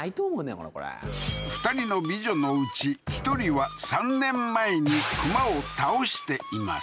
俺これ２人の美女のうち１人は３年前に熊を倒しています